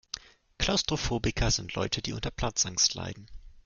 Klaustrophobiker sind Leute, die unter Platzangst leiden.